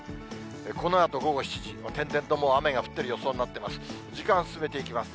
このあと午後７時、点々と、もう雨が降ってる予想になっています。